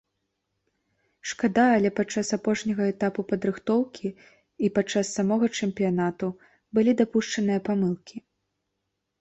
Шкада, але падчас апошняга этапу падрыхтоўкі, і падчас самога чэмпіянату былі дапушчаныя памылкі.